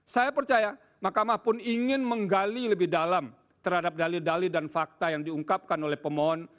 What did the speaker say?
saya percaya mahkamah pun ingin menggali lebih dalam terhadap dalil dali dan fakta yang diungkapkan oleh pemohon